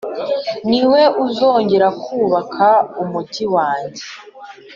ni we uzongera kubaka umugi wanjye,